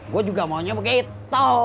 gue juga maunya begitu